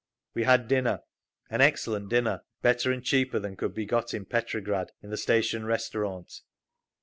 We had dinner—an excellent dinner, better and cheaper than could be got in Petrograd—in the station restaurant.